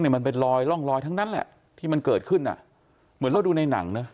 มันเป็นรอยร่องรอยทั้งนั้นแหละที่มันเกิดขึ้นอ่ะเหมือนเราดูในหนังนะ